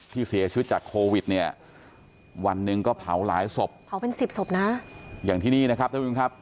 ที่เสียชีวิตจากโควิดวันนึงก็เผาหลายศพอย่างที่นี่นะครับน้องผู้ชม